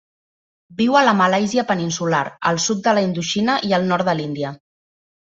Viu a la Malàisia peninsular, el sud de la Indoxina i el nord de l'Índia.